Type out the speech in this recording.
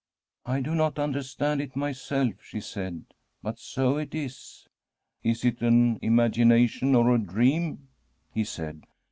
' I do not understand it myself,' she said, ' but so it is.' ' Is it an imagination or a dream ?' he said.